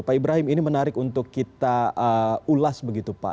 pak ibrahim ini menarik untuk kita ulas begitu pak